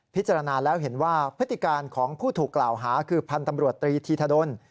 พิจารณาแล้วเห็นว่าพฤติการของผู้ถูกกล่าวหาคือพันธ์ตำรวจตรีธีธดล